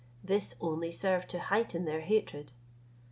This only served to heighten their hatred.